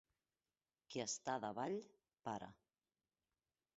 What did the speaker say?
Qui està davall, para.